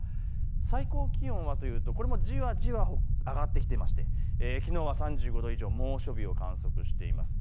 最高気温はというと、これもじわじわ上がってきていましてきのうは３５度以上、猛暑日を観測しています。